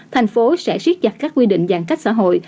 thành phố sẽ riết giặt các quy định giàn cách xã hội